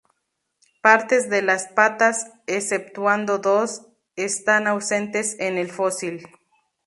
Partes de las patas, exceptuando dos, están ausentes en el fósil.